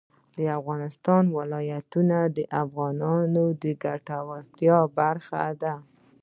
د افغانستان ولايتونه د افغانانو د ګټورتیا برخه ده.